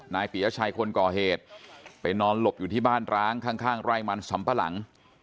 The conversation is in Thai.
ปียชัยคนก่อเหตุไปนอนหลบอยู่ที่บ้านร้างข้างไร่มันสำปะหลัง